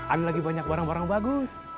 ada lagi banyak barang barang bagus